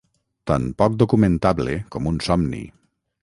Tan poc documentable com un somni.